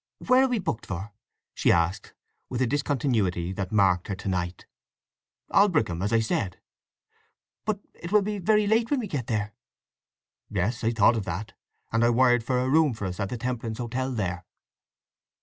"Where are we booked for?" she asked, with the discontinuity that marked her to night. "Aldbrickham, as I said." "But it will be very late when we get there?" "Yes. I thought of that, and I wired for a room for us at the Temperance Hotel there."